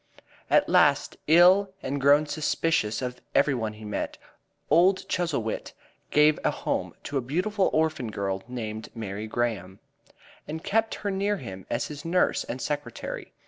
At last, ill and grown suspicious of every one he met, old Chuzzlewit gave a home to a beautiful orphan girl named Mary Graham, and kept her near him as his nurse and secretary.